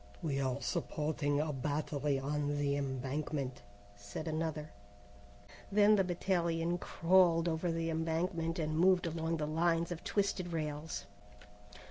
"We are supporting a battery on the embankment," said another. Then the battalion crawled over the embankment and moved along the lines of twisted rails.